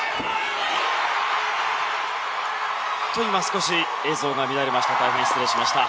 今、少し映像が乱れました。